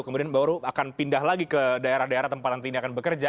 kemudian baru akan pindah lagi ke daerah daerah tempat nanti ini akan bekerja